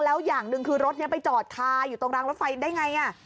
แล้วอย่างหนึ่งคือรถนี้ไปจอดคาอยู่ตรงรางรถไฟได้ไง